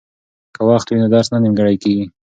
که وخت وي نو درس نه نیمګړی کیږي.